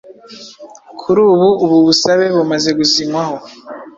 Kuri ubu ubu busabe bumaze gusinywaho